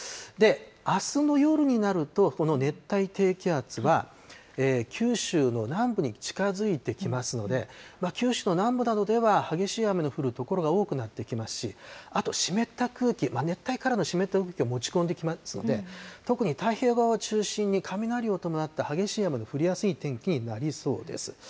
あすの夜になると、この熱帯低気圧は、九州の南部に近づいてきますので、九州の南部などでは激しい雨の降る所が多くなってきますし、あと湿った空気、熱帯からの湿った空気を持ち込んできますので、特に太平洋側を中心に雷を伴った激しい雨の降りやすい天気になりそうです。